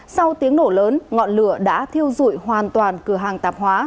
sau tiếng nổ lớn ngọn lửa đã thiêu dụi hoàn toàn cửa hàng tạp hóa